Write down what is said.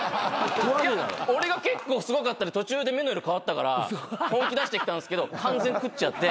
いや俺が結構すごかったんで途中で目の色変わったから本気出してきたんすけど完全食っちゃって。